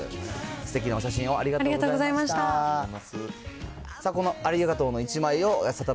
すてきなお写真をありがとうござありがとうございました。